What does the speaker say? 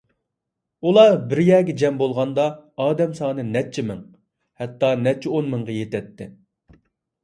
ئۇلار بىر يەرگە جەم بولغاندا، ئادەم سانى نەچچە مىڭ، ھەتتا نەچچە ئون مىڭغا يېتەتتى.